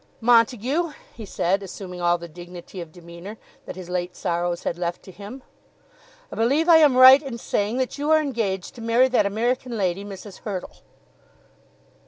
"Montague," he said, assuming all the dignity of demeanour that his late sorrows had left to him, "I believe I am right in saying that you are engaged to marry that American lady, Mrs. Hurtle."